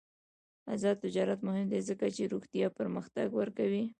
آزاد تجارت مهم دی ځکه چې روغتیا پرمختګ ورکوي.